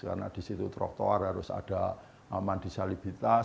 karena di situ troktor harus ada mandi salibitas